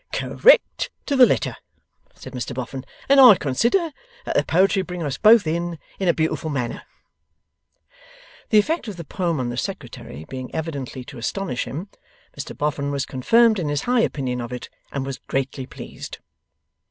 'Correct to the letter!' said Mr Boffin. 'And I consider that the poetry brings us both in, in a beautiful manner.' The effect of the poem on the Secretary being evidently to astonish him, Mr Boffin was confirmed in his high opinion of it, and was greatly pleased.